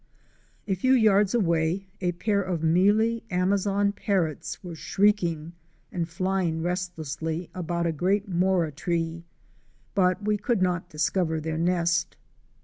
A few yards away a pair of Mealy Amazon Parrots were shrieking and flying restlessly about a great Mora tree, but we could not discover their nest.